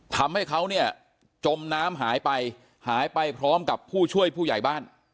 ทำให้เขาเนี่ยจมน้ำหายไปหายไปพร้อมกับผู้ช่วยผู้ใหญ่บ้าน